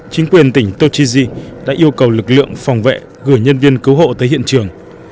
chính quyền tỉnh tochiji đã yêu cầu lực lượng phòng vệ gửi nhân viên cứu hộ tới hiện trường